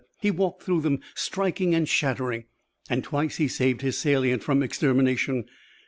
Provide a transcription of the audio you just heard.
He walked through them striking and shattering. And twice he saved his salient from extermination.